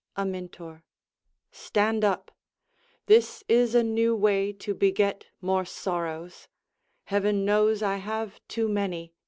Amintor Stand up. This is a new way to beget more sorrows: Heaven knows I have too many.